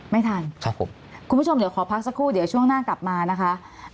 ไม่ทันครับผมคุณผู้ชมเดี๋ยวขอพักสักครู่เดี๋ยวช่วงหน้ากลับมานะคะ